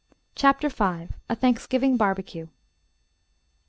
CHAPTER V. A THANKSGIVING BARBECUE.